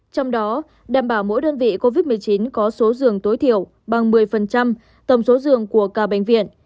trong đó đảm bảo mỗi đơn vị covid một mươi chín có số dường tối thiểu bằng một mươi tổng số dường của ca bệnh viện